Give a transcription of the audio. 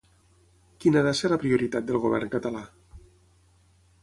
Quina ha de ser la prioritat del govern català?